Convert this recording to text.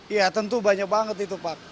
ya tentu banyak banget itu pak